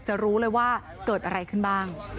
รู้เลยว่าเกิดอะไรขึ้นบ้าง